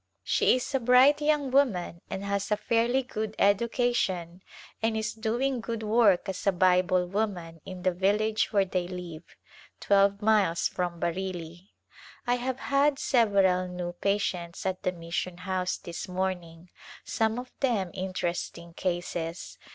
She is a bright young woman and has a fairly good education and is doing good work as a Bible woman in the village where they live, twelve miles from Bareilly. I have had several new patients at the mission house this morning, some of them interesting cases.